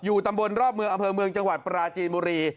ตำบลรอบเมืองอำเภอเมืองจังหวัดปราจีนบุรี